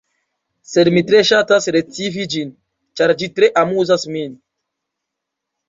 Sed mi tre ŝatas recivi ĝin, ĉar ĝi tre amuzas min.